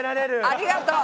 ありがとう。